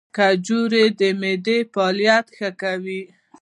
کجورې د معدې فعالیت ښه کوي.